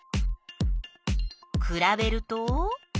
くらべると？